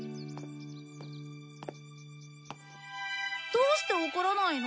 どうして怒らないの？